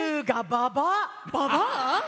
ババア？